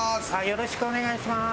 よろしくお願いします。